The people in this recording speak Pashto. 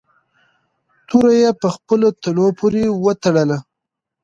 توره یې په خپلو تلو پورې و تړله.